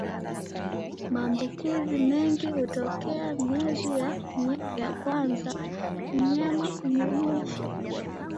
Maambukizi mengi hutokea miezi ya kwanza ya mnyama kunyonyesha